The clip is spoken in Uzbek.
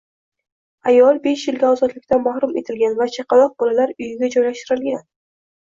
Ayolbeshyilga ozodlikdan mahrum etilgan va chaqaloq bolalar uyiga joylashtirilgan